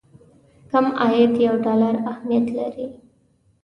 کم عاید یو ډالر اهميت لري.